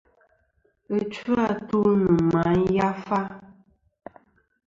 Ɨchu-atu nɨ̀ màyafa.